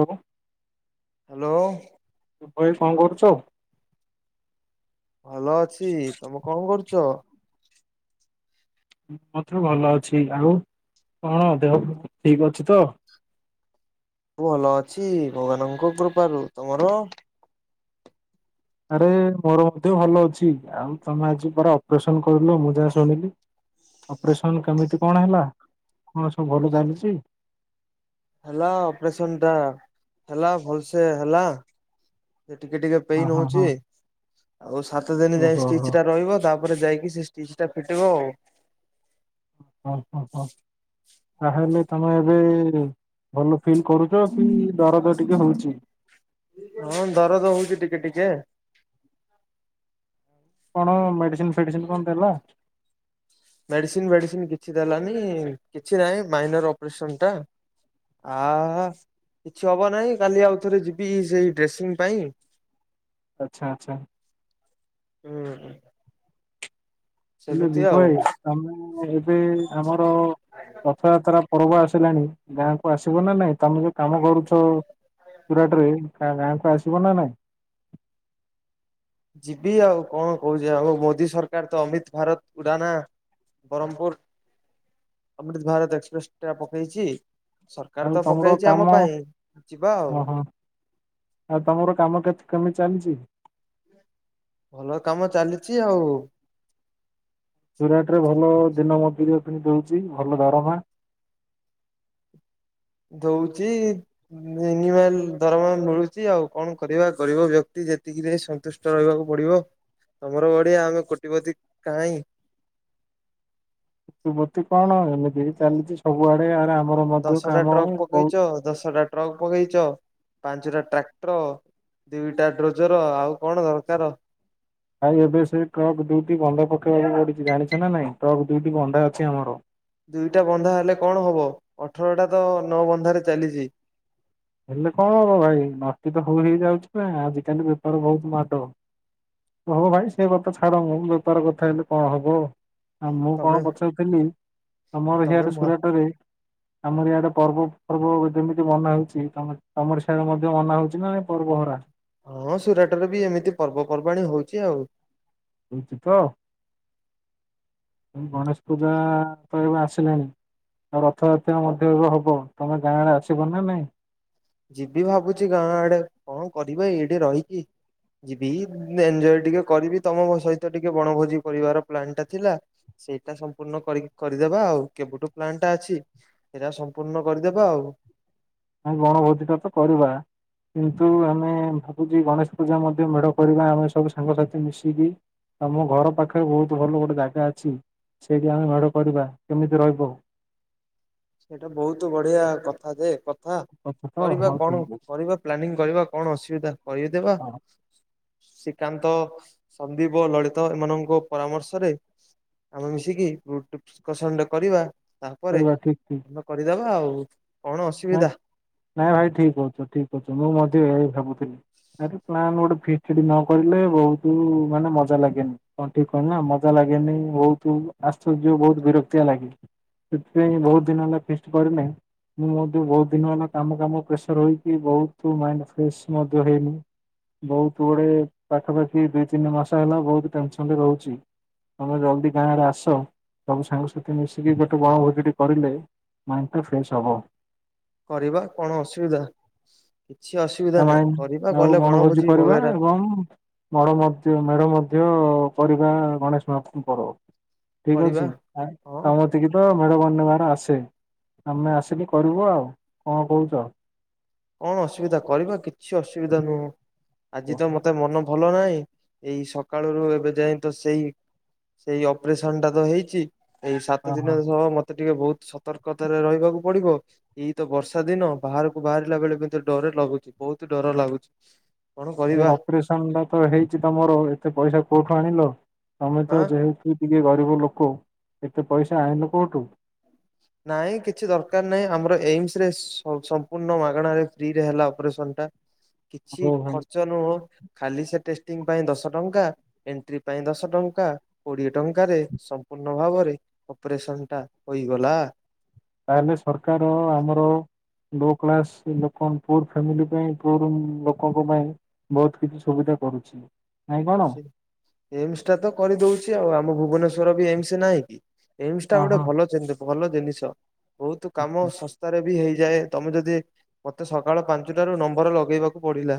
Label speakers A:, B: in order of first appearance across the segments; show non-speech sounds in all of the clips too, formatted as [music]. A: ହ
B: ହ୍ୟାଲୋ
A: ତୁ ଭାଇ କଣ କରୁଚୂ।
B: ଭଲ ଅଛି ତମେ କଣ କରୁଚ?
A: ମୁଁ ମଧ୍ୟ ଭଲ ଅଛି ଆଉ କଣ ଦେହ ଫେହ ଠିକ୍ ଅଛିତ?
B: ମୁଁ ଭଲ ଅଛି ଭଗବାନଙ୍କ କୃପାରୁ ତମର?
A: ଆରେ ମୋର ମଧ୍ୟ ଭଲ ଅଛି ଆଉ ତମେ ଆଜି ପରା ଅପ୍ରେସନ୍ କରିଲ ମୁଁ ଯାହା ଶୁଣିଲି? ଅପ୍ରେସନ୍ କେମିତି କଣ ହେଲା କଣ ସବୁ ଭଲ ଚାଲିଚି?
B: ହେଲା ଅପରେସନଟା ହେଲା ଭଲସେ ହେଲା ଏ ଟିକେ ଟିକେ
A: ହଁ
B: ପେନ୍
A: ହଁ
B: ହଉଚି
A: ହଁ
B: ଆଉ ସାତ ଦିନ ଯାଇ
A: ଓହୋ
B: ଷ୍ଟିଜ୍
A: ହୋ।
B: ଟା ରହିବ ତାପ ତାପରେ ଯାଇକି ସେଷ୍ଟିଜ୍ଟା ଫିଟିବ ଆଉ।
A: ଓହୋ ହୋ ତାହେଲେ ତମେ ଏବେ ଭଲ ଫିଲ୍ କରୁଚ କିଦରଦ ଟିକେ ହଉଚି?
B: ହଁ ଦରଦ ହଉଚି ଟିକେ ଟିକେ।
A: କଣ ମେଡିସିନ ଫେଡିସିନ କଣ ଦେଲ?
B: ମେଡ଼ିସିନ୍ ଫେଡିସିନ୍ କିଛି ଦେଲାନି କିଛି ନାହିଁ ମାଇନର୍ ଅପ୍ରେସନଟା [unintelligible] କିଛି ହବ ନାହିଁ କାଲି ଆଉ ଥରେ ଯିବି ସେଇ ଡ୍ରେସିଂ ପାଇଁ।
A: ଆଚ୍ଛା ଆଚ୍ଛା।
B: ହୁଁ।
A: ହେଲେ
B: ସେମିତି
A: ଉଭୟ
B: ଆଉ।
A: ତମେ ଏବେ ଆମର ରଥଯାତ୍ରା ପର୍ବ ଆସିଲାଣି ଗାଁକୁ ଆସିବୁନା ନାଇଁ। ତମେ ଯୋଉ କାମ କରୁଛ ସୁରାଟାରେ ଗାଁକୁ ଆସିବ ନା ନାଇଁ।
B: ଯିବି ଆଉ କଣ କହୁଚି ଆଉ ମୋଦି ସରକାରତ ଅମିତ୍ ଭାରତ ଉଡାନା। ବ୍ରହ୍ମପୁର ଅମୃତ ଭାରତ ଏକ୍ସପ୍ରେସ ଟା ପକେଇଛି। ସରକାର
A: ଆଉ
B: ତ
A: ତମର
B: ପକେଇଚି
A: କାମ
B: ଆମ ପାଇଁ ଯିବା ଆଉ।
A: ଓହୋ ଆଉ ତମର କାମ କେତ୍ କେମିତି ଚାଲିଚି?
B: ଭଲ କାମ ଚାଲିଛି ଆଉ।
A: ସୁରାଟରେ ଭଲ ଦିନ ମଜୁରି [unintelligible] ଦଉଛି ଭଲ ଦରମା।
B: ଦଉଚି। [unintelligible] ଦରମା ମିଳୁଛି ଆଉ, କଣ କରିବା ଗରିବ ବ୍ୟକ୍ତି ଯେତିକିରେ ସନ୍ତୁଷ ରହିବାକୁ ପଡିବ, ତମର ବଡିଆ ଆମେ କୋଟିପତି କାଇଁ?
A: [unintelligible] କଣ ଏମିତି ଚାଲିଛି ସବୁଆଡେ ଆରେ ଆ
B: ଦଶଟା ଟ୍ରକ୍ ପକେଇଚ, ଦଶଟା ଟ୍ରକ୍ ପକେଇଚ, ପାଞ୍ଚଟା ଟ୍ରାକ୍ଟର ଦିଇଟା ଡ୍ରୋଜର୍, ଆଉ କଣ ଦରକାର?
A: ଭାଇ ଏବେ ସେ ଟ୍ରକ୍ ଦୁଇଟି ବନ୍ଧା ପକେଇବାକୁ ପଡିଛି, ଜାଣିଛ ନା ନାଇଁ? ଟ୍ରକ୍ ଦୁଇଟି ବନ୍ଧା ଅଛି ଆମର।
B: ଦୁଇଟା ବନ୍ଧା ହେଲେ କଣ ହବ, ଅଠରଟା ତ ନଅ ବନ୍ଧାରେ ଚାଲିଛି।
A: ହେଲେ କଣ ହବ ଭାଇ, [unintelligible] ତ ସବୁ ହେଇଯାଉଛି ନା ଆଜିକାଲି ବେପାର ବହୁତ ମାଡ। ହଁ ଭାଇ ସେ କଥା ଛାଡ ମ, ବେପାର କଥା ହେଲେ କଣ ହବ। ଆ ମୁଁ କଣ
B: ତମେ
A: ପଚାରୁଥିଲି? ତମର
B: ତମେ
A: ହିଆଡେ
B: ମ
A: ସୁରାଟରେ ଆମର ଇଆଡେ ପର୍ବ ଫର୍ବ ଯେମିତି ମନା ହଉଛି ତମ ତମର ସିଆଡେ ମଧ୍ୟ ମନା ହଉଛିି ନା ପର୍ବହରା?
B: ହଁ ସୁରାଟରେ ବି ଏମିତି ପର୍ବପର୍ବାଣି ହଉଛି ଆଉ।
A: ହଉଛି ତ, ଗଣେଶପୂଜା ତ ଏବେ ଆସିଲାଣି। ଆଉ ରଥଯାତ୍ରା ମଧ୍ୟ ଏବେ ହବ, ତମେ ଗାଁ ଆଡେ ଆସିବ ନା ନାଇଁ?
B: ଯିବି ଭାବୁଛି ଗାଁ ଆଡେ, କଣ କରିବା ଏଇଠି ରହିକି? ଯିବି ଏନ୍ଜୟ ଟିକେ କରିବି, ତମ ସହିତ ଟିକେ ବଣଭୋଜି କରିବାର ପ୍ଲାନ୍ ଟା ଥିଲା। ସେଇଟା ସମ୍ପୂର୍ଣ୍ଣ କରି କରିଦବା ଆଉ, କେବେଠୁ ପ୍ଲାନ୍ ଟା ଅଛି? ଏଇଟା ସମ୍ପୂର୍ଣ୍ଣ କରିଦେବା ଆଉ।
A: ଆମେ ବଣଭୋଜିିଟା ତ କରିବା। କିନ୍ତୁ ଆମେ ଭାବୁଛି, ଗଣେଶପୂଜା ମଧ୍ୟ ମେଢ କରିବା ଆମେ ସବୁ ସାଙ୍ଗସାଥି ମିଶିକି। ଆଉ ଆମ ଘର ପାଖରେ ବହୁତ ଭଲ ଗୋଟେ ଜାଗା ଅଛି, ସେଇଠି ଆମେ ମେଢ କରିବା। କେମିତି ରହିବ?
B: ସେଇଟା ବହୁତ ବଢିଆ କଥା ଯେ, କ ହ
A: କଥା ତ
B: କରିବା
A: ହଉ
B: କଣ
A: ଠିକ ଅଛି।
B: କରିବା ପ୍ଲାନିଂ କରିବା, କଣ ଅସୁବିଧା କରେଇଦେବା।
A: ହଁ
B: ଶ୍ରୀକାନ୍ତ, ସନ୍ଦୀପ, ଲଳିତ ଏମାନଙ୍କ ପରାମର୍ଶରେ ଆମେ ମିଶିକି ଡେକୋରେସନ୍ ଟେ କରିବା, ତାପରେ
A: ହୁଁ।
B: ହଁ କରିଦବା ଆଉ। କଣ ଅସୁବିଧା
A: ନାଇଁ ନାଇଁ ଭାଇ ଠିକ୍ କହୁଛ ଠିକ୍ କହୁଛ, ମୁଁ ମଧ୍ୟ ଏହା ହିଁ ଭାବୁଥିଲି। ଆରେ ପ୍ଲାନ୍ ଗୋଟେ [unintelligible] ନକଲେ ବହୁତ ମାନେ ମଜା ଲାଗେନି। ହଁ ଠିକ୍ କହିଲି ନା ମଜା ଲାଗେନି ବହୁତ ଆସୁ [unintelligible] ବହୁତ ବିରକ୍ତିଆ ଲାଗେ। ସେଥିପାଇଁ ବହୁତ ଦିନ ହେଲା ଫିଷ୍ଟ କରିନେ? ମୁଁ ମଧ୍ୟ ବହୁତ ଦିନ ହେଲା କାମ କାମ ପ୍ରେସର ହେଇକି, ବହୁତ ମାଇଣ୍ଡ ଫ୍ରେଶ ମଧ୍ୟ ହେଇନି। ବହୁତ ଗୁଡେ ପାଖାପାଖି, ଦୁଇ ତିନି ମାସ ହେଲା ବହୁତ ଟେନସନ୍ ରେ ରହୁଛି। ତମେ ଜଲଦି ଗାଁ ଆଡେ ଆସ, ସବୁ ସାଙ୍ଗସାଥି ମିଶିକି ଗୋଟେ ବଣଭୋଜିଟି କରିଲେ ମାଇଣ୍ଡଟା ଫ୍ରେଶ୍ ହବ।
B: କରିବା କଣ ଅସୁବିଧା, କିଛି ଅସୁବିଧା
A: ଆମେ
B: ନାହିଁ କରିବା।
A: ଆଉ
B: ଗଲେ ବଣଭୋଜି
A: କରିବା
B: ବଗେରା
A: ଏବଂ [unintelligible] ମଧ୍ୟ ମେଢ ମଧ୍ୟ କରିବା ଗଣେଶ [unintelligible] ପର୍ବ। ଠିକ୍
B: କରିବା
A: ଅଛି,
B: ହଁ
A: ତମ କତିକି ତ ମେଢ ବନେଇବାର ଆସେ। ଆମେ ଆସିକି କରିବ ଆଉ, କଣ କହୁଛ?
B: କଣ ଅସୁବିଧା, କରିବା କିଛି ଅସୁବିଧା ନୁହଁ। ଆଜି ତ
A: ଓହୋ
B: ମତେ ମନ ଭଲ ନାହିଁ। ଏଇ ସକାଳରୁ ଏବେ ଯାଇ ତ ସେଇ ସେଇ ଅପରେସନ ଟା ତ ହେଇଛି। ଏଇ ସାତ ଦିନ ସହ ମ ମତେ ଟିକେ ବହୁତ ସତର୍କତାରେ ରହିବାକୁ ପଡିବ। ଏଇ ତ ବର୍ଷା ଦିନ ବାହାରକୁ ବାହାର ଲା ବେଳେ କୁ ଡର ଲାଗୁଛି ବହୁତ ଡର ଲାଗୁଛି। କଣ କରିବା
A: ଅପରେସନଟା ତ ହେଇଛି ତମର ଏତେ ପଇସା କୋଉଠୁ ଆଣିଲ? ତମେ ତ
B: ଆଁ
A: ଯେହେତୁ ଇଏ ଟିକେ ଗରିବ ଲୋକ। ଏତେ ପଇସା ଆଣିଲ କୋଉଠୁ?
B: ନାଇଁ କିଛି ଦରକାର ନାହିଁ। ଆମର ଏମ୍‌ସରେ ସମ୍ପୂର୍ଣ୍ଣ ମାଗଣାରେ ଫ୍ରିରେ ହେଲା ଅପରେସନ ଟା। କିଛି
A: ହଉ ଭାଇ
B: ଖର୍ଚ୍ଚ ନୁହଁ। ଖାଲି ସେ ଟେଷ୍ଟିଂ ପାଇଁ ଦଶ ଟଙ୍କା। ଏଣ୍ଟ୍ରି ପାଇଁ ଦଶ ଟଙ୍କା। କୋଡିଏ ଟଙ୍କାରେ ସମ୍ପୂର୍ଣ୍ଣ ଭାବରେ ଅପରେସନ୍‌ଟା ହୋଇଗଲା।
A: ତାହେଲେ ସରକାର ଆମର ହୋଉ ଭୋକ୍ଲାସ ଲୋକ ପୁର୍ ଫାମିଲି ପାଇଁ ପୁର୍ ଲୋକଙ୍କ ପାଇଁ ବହୁତ କିଛି ସୁବିଧା କରୁଛି। ନାଇଁ କଣ?
B: ଏମ୍‌ସଟା ତ କରିଦଉଛି ଆଉ। ଆମ ଭୁବନେଶ୍ୱର ବି ଏମ୍‌ସ ନାହିଁ କି। ଏମ୍‌ସଟା
A: ହଁ
B: ଗୋଟେ
A: ହଁ।
B: ଭଲ ଭଲ ଜିନିଷ ବହୁତ କାମ ଶସ୍ ଶସ୍ତାରେ ବି ହେଇଯାଏ। ତମେ ଯଦି ମତେ ସକାଳ ପାଞ୍ଚଟାରୁ ନମ୍ବର ଲଗେଇବାକୁ ପଡିଲା।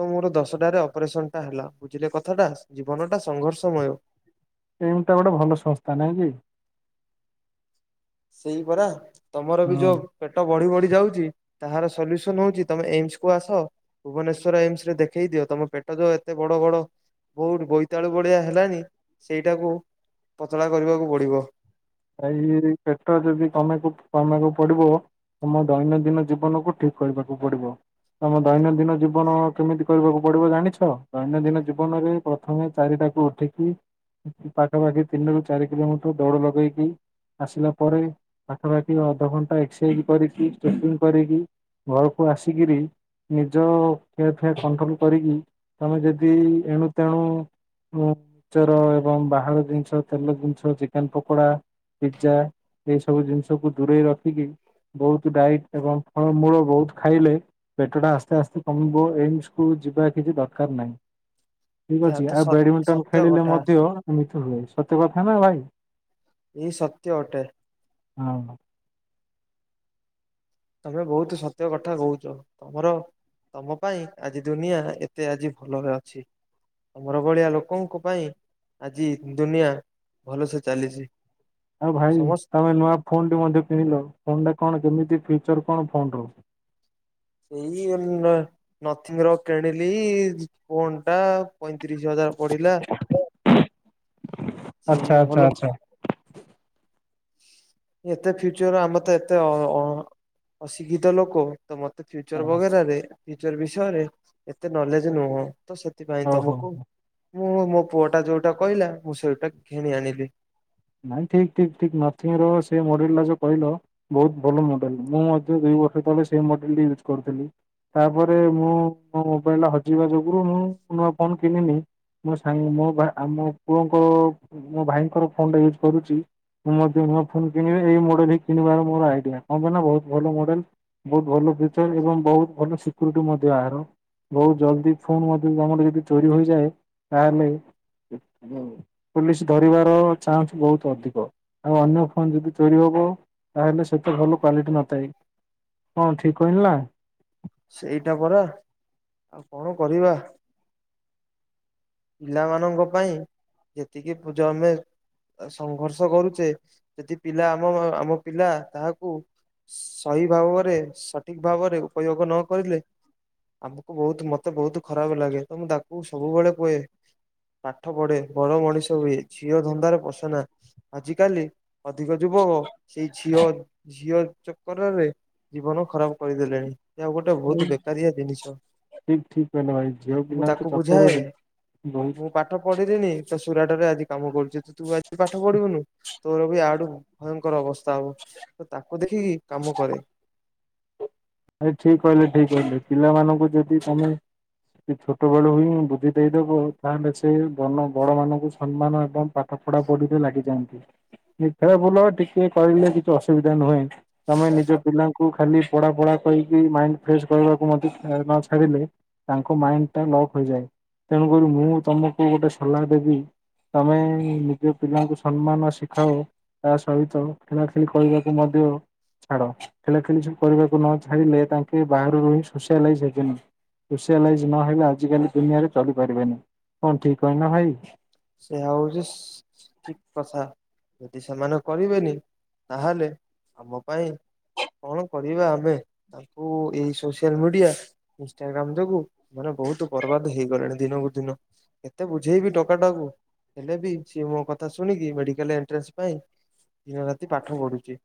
B: ତ ମୋର ଦଶଟାରେ ଅପରେସନ୍‌ଟା ହେଲା। ବୁଝିଲେ କଥାଟା ଜୀବନଟା ସଂଘର୍ଷମୟ।
A: ଏମ୍‌ସଟା ଗୋଟେ ଭଲ ସଂସ୍ଥା ନାହିଁ କି।
B: ସେଇ ପରା ତମରବି
A: ହଁ
B: ଯୋ ପେଟ ବଢିବଢି ଯାଉଛି। ତାହାର ସଲ୍ୟୁସନ୍‌ ହଉଛି ତମେ ଏମ୍‌ସକୁୁ ଆସ। ଭୁବନେଶ୍ଵର ଏମ୍‌ସରେ ଦେଖେଇ ଦିଅ। ତମ ପେଟ ଯୋଉ ଏତେ ବଡ ବଡ କୋଉଠି ବୋଇତାଳୁ ଭଳିଆ ହେଲାଣି। ସେଇଟାକୁ ପତଳା କରିବାକୁ ପଡିବ।
A: ତା ଇଏରେ ପେଟ ଯଦି କମକୁ କମିବାକୁ ପଡିବ ତମ ଦୈନଦିନ ଜୀବନକୁ ଠିକ୍‌ କରିବାକୁ ପଡିବ। ତମେ ଦୈନଦିନ ଜୀବନ କେମିତି କରିବାକୁ ପଡିବ ଜାଣିଛ? ଦୈନଦିନ ଜୀବନରେ ପ୍ର ପ୍ରଥମେ ଚାରିଟାକୁ ଉଠିକି ପାଖାପାଖି ତିନି ରୁ ଚାରି କିଲୋମିଟର ଦୌଡିବାକୁହି ଆସିଲା ପରେ ପାଖାପାଖି ଅଧଘଣ୍ଟା ଏକ୍ସରେ କରିକି ପେକିଙ୍ଗ କରିକି ଘରକୁ ଆସିକିରି ନିଜ ଖିଆପିଆ କଣ୍ଟ୍ରୋଲ କରିକି ତମେ ଯଦି ଏଣୁ ତେଣୁ ମିଚର ଏବଂ ବାହାର ଜିନିଷ, ତେଲ ଜିନିଷ ଚିକେନ ପକଡା ପିଜା ଏଇ ସବୁ ଜିନିଷକୁୁ ଦୂରେଇ ରଖିକି ବହୁତ ଡାଇଟ୍ ଏବଂ ଫଳ ମୂଳ ବହୁତ ଖାଇଲେ ପେଟଟା ଆସ୍ତେଆସ୍ତେ କମିବ, ଏମ୍‌ସକୁୁ ଯିବା କିଛି ଦରକାର ନାହିଁ। ଠିକ୍
B: ଏହା
A: ଅଛି
B: ତ ସ
A: ଆଉ ବ୍ୟାଡ୍‌ମିଣ୍ଟନ
B: ସତ୍ୟ
A: ଖେଳିଲେ
B: କଥା
A: ମଧ୍ୟ ଏମିତି ହୁଏ। ସତ୍ୟ କଥା ନା ଭାଇ।
B: ଏଇ ସତ୍ୟ ଅଟେ।
A: ହଁ।
B: ତମେ ବହୁତ ସତ୍ୟକଠା କହୁଛ। ତମର ତମ ପାଇଁ ଆଜି ଦୁନିଆ ଏତେ ଆଜି ଭଲରେ ଅଛି। ତମର ଭଳିଆ ଲୋକଙ୍କ ପାଇଁ ଆଜି ଦୁନିଆ ଭଲସେ ଚାଲିଛି।
A: ଆଉ ଭାଇ
B: ସମସ୍ତ
A: ତମେ ନୂଆ ଫୋନ୍ ଟି ମଧ୍ୟ କିଣିଲ ଫୋନ୍ ଟା କଣ କେମିତି ଫ୍ୟୁଚର କଣ ଫୋନ୍ ର?
B: ଏଇ ନଥିବାରୁ କିଣିଲି ଫୋନ୍ ଟା। ପଇଁତିରିଶ ହଜାର ପଡିଲା।
A: ଆଚ୍ଛା
B: ସେଇ
A: ଆଚ୍ଛା
B: ଭଲ।
A: ଆଚ୍ଛା।
B: ଏତେ ଫ୍ୟୁଚର ଆମେତ ଏତେ ଅଶିକ୍ଷିତ ଲୋକ। ତ ମତେ ଫ୍ୟୁଚର ବଗେରାରେ ଫ୍ୟୁଚର ବିଷୟରେ ଏତେ ନଲେଜ ନୁହଁ। ତ ସେଥିପାଇଁ
A: ହଉ ହଉ।
B: ତମକୁ ମୁଁ ମୋ ପୁଅଟା ଯୋଉଟା କହିଲା ମୁଁ ସେଇଟା କିଣି ଆଣିଲି।
A: ନାଇଁ ଠିକ ଠିକ ଠିକ ନଥିଙ୍ଗ ରୁ ଟାସେ ମଡେଲ ଲା ଯୋଉ କହିଲ ବହୁତ ଭଲ ମଡେଲ ମୁଁ ମଧ୍ୟ ଦୁଇ ବର୍ଷ ତଳେ ସେ ମଡେଲ ୟୁଜ୍ କରୁଥିଲି। ତାପରେ ମୁଁ ମୋ ମୋବାଇଲ ଟା ହଜିବା ଯୋଗୁରୁ ମୁଁ ନୂଆ ଫୋନ କିଣିନି। ମୋ ସାଙ୍ଗ୍ ମୋ ବା ଆମୋ ପୁଅଙ୍କ ମୋ ଭାଇଙ୍କର ଫୋନଟା ୟୁଜ କରୁଚି। ମୁଁ ମଧ୍ୟ ନୂଆ ଫୋନ୍ କିଣିବି ଏଇ ମଡେଲ୍ ହି କିଣିବାର ମୋର ଆଇଡିଆ କାହିଁକି ନା ବୋହୁତ ଭଲ ମଡେ଼ଲ। ବୋହୁତ ଭଲ ଫ୍ୟୁଚର ଏବଂ ବୋହୁତ ଭଲ ସିକୁରିଟ ମଧ୍ୟ ଏହାର। ବୋହୁତ ଜଲଦି ଫୋନ୍ ମଧ୍ୟ କିନ୍ତୁ ଆମର ଚୋରି ହୋଇଯାଏ ତାହେଲେ ପୁଲିସ ଧରିବାର ଚାନ୍ସ ବୋହୁତ ଅଧିକ ଆଉ ଅନ୍ୟ ଫୋନ୍ ଯଦି ଚୋରି ହବ ତାହେଲେ ସେତେ ଭଲ କ୍ଵାଲିଟି ନଥାଏ। କଣ ଠିକ୍ କହିଲି ନା?
B: ସେଇଟା ପରା ଆଉ କଣ କରିବା। ପିଲାମାନଙ୍କ ପାଇଁ ଯେତିକି ପୂଜୁ ଆମେ ସଂଘର୍ଷ କରୁଚେ ଯଦି ପିଲା ଆମ ମା ଆମ ପିଲା କାହାକୁ ସହି ଭାବରେ ସଠିକ୍ ଭାବରେ ଉପଯୋଗ ନ କରିଲେ ଆମକୁ ବୋହୁତ ମତେ ବୋହୁତ ଖରାପ ଲାଗେ ତ ମୁଁ ତାଙ୍କୁ ସବୁବେଳେ କୁହେ ପାଠ ପଢେ ବଡ ମଣିଷ ହୁଏ ଝିଅ ଧନ୍ଦାରେ ପସନା। ଆଜି କାଲି ଅଧିକ ଯୁବକ ସେଇ ଝିଅ ଝିଅ ଚକ୍ରରେ ଜୀବନ ଖରାପ କରିଦେଲେଣି। ଏହା ଗୋଟେ ବହୁତ ବେକାରିଆ ଜିନିଷ।
A: ଠିକ୍ ଠିକ୍ କହିଲେ ଭାଇ ଝିଅ
B: ମୁଁ
A: ପିଲାଙ୍କ
B: ତାକୁ ବୁଝାଏ
A: ଚକରରେ ବୋହୁତ୍
B: ମୁଁ ପାଠ ପଢିଲିିନି ତ ସୁରାଟରେ ଆଜି କାମ କରୁଚି। ତୁ ଆଜି ପାଠ ପଢିବୁନୁ ତୋର ବି ଆଠୁ ଭୟଙ୍କର ଅବସ୍ଥା ହବ ତ ତାକୁ ଦେଖିକି କାମ କରେ।
A: ଭାଇ ଠିକ୍ କହିଲେ ଠିକ୍ କହିଲେ ପିଲାମାନଙ୍କୁ ଯଦି ତମେ ଦି ଛୋଟବେଳୁ ହିଁ ବୁଦ୍ଧି ଦେଇଦବୁ ତାହେଲେ ସେ ବନ ବଡ ମାନଙ୍କୁ ସମ୍ମାନ ଏବଂ ପା ଠ ପଢା ପଢ଼ିରେ ଲାଗିଯାଆନ୍ତି। ଖେଳବୁଲ ଟିକିଏ କହିଲେ କିଛି ଅସୁବିଧା ନୁହେଁ। ତମେ ନିଜ ପିଲାଙ୍କୁ ଖାଲି ପଢା ପଢା କହିକି ମାଇଣ୍ଡ ଫ୍ରେସ୍ କରବାକୁ ମଧ୍ୟ ଆ ନ ଛାଡ଼ିଲେ ତାଙ୍କ ମାଇଣ୍ଡ ଟା ଲକ୍ ହୋଇଯାଏ। ତେଣୁକରି ମୁଁ ତମକୁ ଗୋଟେ ସଲା ଦେବି ତମେ ନିଜ ପିଲାଙ୍କୁ ସମ୍ମାନ ଶିଖାଅ ତା ସହିତ ଖେଳା ଖେଳି କରିବାକୁ ମଧ୍ୟ ଛାଡ ଖେଳା ଖେଳି କରିବାକୁ ନ ଛାଡିଲେ ତାଙ୍କେ ବାହାରୁ ରହି ସୋସିଆଲାଇଜ୍ ହେବେନି। ସୋସିଆଲାଇଜ୍ ନହେଲେ ଆଜିକାଲି ଦୁନିଆରେ ଚଲିପାରିବେନି। କଣ ଠିକ୍ କହିଲି ନା ଭାଇ?
B: ସେଆ ହୋଉଚି ସିସ୍ ଠିକ୍ କଥା। ଯଦି ସେମାନେ କରିବେନି ତାହେଲେ ଆମ ପାଇଁ କଣ କରିବା ଆମେ ତାଙ୍କୁ ଏଇ ସୋସିଆଲ ମିଡିଆ ଇନଷ୍ଟାଗ୍ରାମ ଯୋଗୁ ବଡ ବୋହୁତ ବର୍ବାଦ ହେଇଗଲେଣି ଦିନକୁ ଦିନ ଏତେ ବୁଝେଇବି ଟୋ ଟୋକାଟାକୁ ହେଲେ ବି ସିଏ ମୋ କଥା ଶୁଣିକି ମେଡିକାଲ ଏଣ୍ଟ୍ରାନ୍ସ ପାଇଁ ଦିନ ରାତି ପାଠ ପଢୁଚି।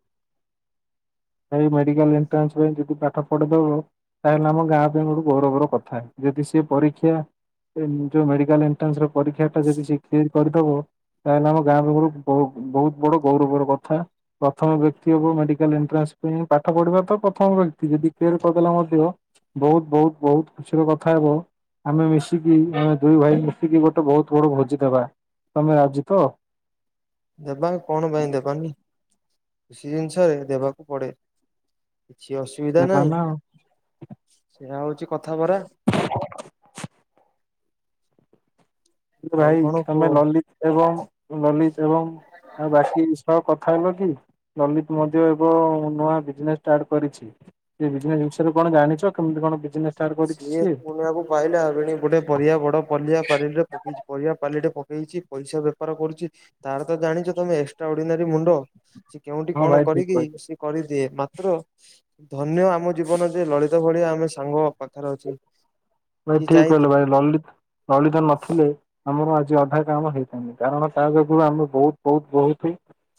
A: ଭାଇ ମେଡିକାଲ ଏଣ୍ଟ୍ରାସ ପାଇଁ ଯଦି ପାଠ ପଢିଦବ ତାହାଲେ ଆମ ଗାଁ ପାଇଁ ଗୋଟେ ଗୌରବର କଥା। ଯଦି ସିଏ ପରୀକ୍ଷା ସେନ୍ ଯୋଉ ମେଡିକାଲ ଏଣ୍ଟ୍ରାନ୍ସ ର ପରୀକ୍ଷା ଟା ଯଦି ସେ କ୍ଲିର କରିଦବ ତାହେଲେ ଆମ ଗାଁ ଲୁଗୁରୁ ବୋ ବୋହୁତ ବଡ ଗୌରବର କଥା। ପ୍ରଥମ ବ୍ୟକ୍ତିହବ ମେଡିକାଲରେ ଏଣ୍ଟ୍ରାସ ସିମତି ପାଠ ପଢିବା ତ ପ୍ରଥମ ବ୍ୟକ୍ତି ଯଦି କ୍ଳିଅର କରିଦେଲା ମଧ୍ୟ ବୋହୁତ ବୋହୁତ ବୋହୁତ ଖୁସି ର କଥା ହେବ ଆମେ ମିଶିକି ଆମେ ଦୁଇ ଭାଇ ମିଶିକି ଗୋଟେ ବହୁତ ବଡ ଭୋଜି ଦେବା ତମେ ରାଜି ତ।
B: ଦେବା କଣ ପାଇଁ ଦେବାନି ସେ ଜିନିଷରେ ଦେବାକୁ ପଡେ। କିଛି ଅସୁବିଧା
A: ଦେବା
B: ନାହିଁ
A: ନା ଆଉ।
B: ସେୟା ହଉଛି କଥାପରା। ଆଉ
A: ଭାଇ
B: କଣ
A: ତମେ
B: କୁହ?
A: ଲଲିତ ଏବଂ ଲଲିତ ଏବଂ ଆଉ ବାକି ସହ କଥା ହେଲ କି? ଲଲିତ ମଧ୍ୟ ଏକ ନୂଆ ବିଜନେସ୍ ଷ୍ଟାର୍ଟ କରିଛି। ଏ ବିଜନେସ୍ ବିଷୟରେ କଣ ଜାଣିଛ କେମତି କଣ ବିଜନେସ ଷ୍ଟାର୍ଟ କରିଛି
B: ସିଏ ପୁଣି ଆକୁ ପାହିଲା ଫେଣି ଗୋଟେ ପରିବା ବଡ଼ ପଲିବା ପାରିରେ ପକେଇଛି ପରିବା ପାଲିଟେ ପକେଇଛି ପଇସା ବେପାର କରୁଛି। ତାର ତ ଜାଣିଛ ତମେ ଏକ୍ସଟ୍ରା ଅର୍ଡିନାରୀ ମୁଣ୍ଡ ସେ କେଉଁଠି
A: ହଁ
B: କଣ
A: ଭାଇ ଠିକ
B: କରିକି
A: କହିଲେ।
B: କରିଦିଏ ମାତ୍ର ଧନ୍ୟ ଆମ ଜୀବନ ଯେ ଲଳିତ ଭଳିଆ ଆମେ ସାଙ୍ଗ ପାଖରେ ଅଛି।
A: ଭାଇ
B: ସିଏ
A: ଠିକ୍
B: ଯାଇ
A: କହିଲ ଭାଇ ଲିଲିତ୍ ଲଳିତ ନଥିଲେ। ଆମର ଆଜି ଅଧା କାମ ହେଇଥାନ୍ତା କାରଣ ତା ଯୋଗୁ ଆମେ ବହୁତ ବହୁତ ବହୁତ।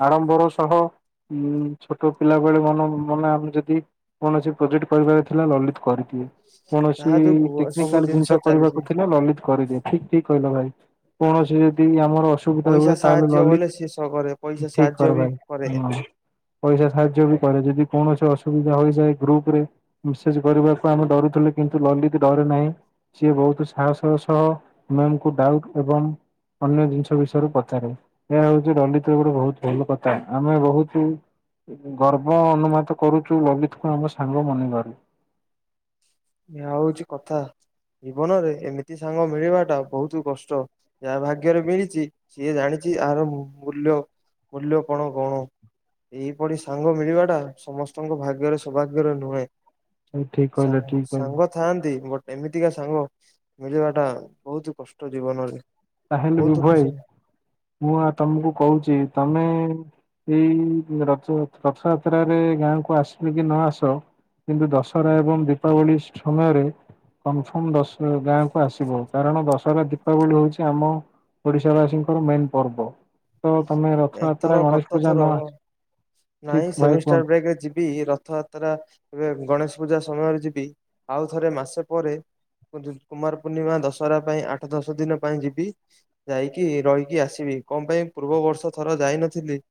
A: ଆଡମ୍ବରୁ ସହ ଉଁ ଛୋଟ ପିଲାବେଳେ ମନ ମନେ ଆମେ ଯଦି। କୌଣସି ପ୍ରୋଜେକ୍ଟ କରିବାର ଥିଲା ଲଲିତ କରିଦିଏ। କୌଣସି
B: ତାହା ଯୋଗୁ ସବୁ ଜିନିଷ ଚାଲିଚି।
A: ନା ଲଲିତ କରିଦିଏ ଠିକ୍ ଠିକ୍ କହିଲ ଭାଇ କୌଣସି ଯଦି ଆମର ଅ ଅସୁବିଧା
B: ପଇସା
A: ହୁଏ ତାହେଲେ
B: ସାହାଯ୍ୟ ବଲେ ସିଏ ସ କରେ
A: ଲଲିତ
B: ପଇସା
A: ଠିକ୍
B: ସାହାଯ୍ୟ
A: କରେ
B: ବି କରେ
A: ଭାଇ ହଁ। ପଇସା ସାହାଯ୍ୟ ବି କରେ ଯଦି କୌଣସି ଅସୁବିଧା ହୋଇଯାଏ ଗ୍ରୁପ ରେ। ମିସେଜ କରିବାକୁ ଆମେ ଡରୁଥିଲୁ କିନ୍ତୁ ଲଲିତ୍ ଡରେ ନାହିଁ। ସିଏ ବହୁତ ସାହସ ର ସହ ମ୍ୟାସଙ୍କୁ ଡାଉଟ୍ ଏବଂ ଅନ୍ୟ ଜିନିଷ ବିଷୟରେ ପଚାରେ। ଏହା ହଉଛି ଲଳିତ୍ ର ଗୋଟେ ବହୁତ ଭଲ କଥା ଆମେ ବହୁତ। ଗର୍ବ ଅନୁମାତ କରୁଚୁ ଲଲିତ୍ କୁ ଆମ ସାଙ୍ଗ ମନେ କରି।
B: ଏହା ହଉଛି କଥା ଜୀବନରେ ଏମିତି ସାଙ୍ଗ ମିଳିବା ଟା ବହୁତ କଷ୍ଟ। ଯା ଭାଗ୍ୟରେ ମିଳିଛି ସିଏ ଜାଣିଛି ଏହାର ମୂଲ୍ୟ ମୂଲ୍ୟ କଣ କଣ। ଏହିପରି ସାଙ୍ଗ ମିଳିବା ଟା ସମସ୍ତଙ୍କ ଭାଗ୍ୟରେ ସୌଭାଗ୍ୟରେ ନୁହେଁ।
A: ତମେ ଠିକ୍ କହିଲ
B: ସାଙ୍ଗ
A: ଠିକ୍।
B: ସାଙ୍ଗ ଥାଆନ୍ତି ବଟ ଏମିତିକା ସାଙ୍ଗ ମିଳିବା ଟା ବହୁତ କଷ୍ଟ ଜୀବନରେ।
A: ତାହେଲେ ବୁବୁ
B: ବହୁତ
A: ଭାଇ
B: ଖୁସି
A: ମୁଁ ଆ ତମକୁ କହୁଛି ତମେ ଏଇ ରଥ ରଥଯାତ୍ରରେ ଗାଁକୁ ଆସିବେ କି ନ ଆସ। କିନ୍ତୁ ଦଶହରା ଏବଂ ଦୀପାବଳି ସମୟରେ। କନଫର୍ମ ଦଶ ଗାଁକୁୁ ଆସିବ କାରଣ ଦଶହରା ଦୀପାବଳି ହଉଚି। ଆମ ଓଡିଶା ବାସୀଙ୍କର ମେନ୍ ପର୍ବ। ତ ତମେ ରଥଯାତ୍ରା
B: ଏଥର
A: ଗଣେଶ
B: ଗତ
A: ପୂଜା
B: ଥର
A: ନ ଆ
B: ନାଇଁ ସେମିଷ୍ଟାର ବ୍ରେକ୍ ରେ ଯିବି ରଥଯାତ୍ରା ଏବେ ଗଣେଶ ପୂଜା ସମୟରେ ଯିବି। ଆଉଥରେ ମାସେ ପରେ। କୁମାର ପୂର୍ଣ୍ଣିମା ଦଶହରା ପାଇଁ ଆଠ ଦଶ ଦିନ ପାଇଁ ଯିବି। ଯାଇକି ରହିକି ଆସିବି କଁ ପାଇଁ ପୂର୍ବ ବର୍ଷ ଥର ଯାଇନଥିଲି।